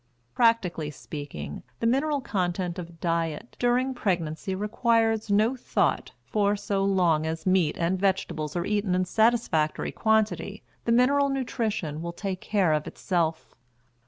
Practically speaking, the mineral content of diet during pregnancy requires no thought, for so long as meat and vegetables are eaten in satisfactory quantity the mineral nutrition will take care of itself.